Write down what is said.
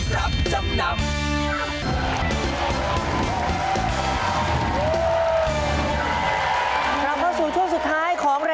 ทำไม